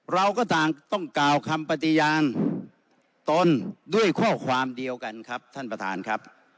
เราก็ต่างต้องกล่าวคำปฏิญาณตนด้วยข้อความเดียวกันครับท่านประธานครับ